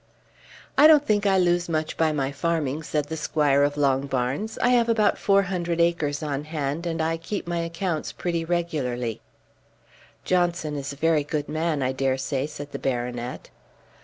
"I don't think I lose much by my farming," said the squire of Longbarns. "I have about four hundred acres on hand, and I keep my accounts pretty regularly." "Johnson is a very good man, I dare say," said the baronet.